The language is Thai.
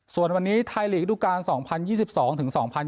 ส่วนวันนี้ไทยลีกทุกการสองพันยี่สิบสองถึงสองพัน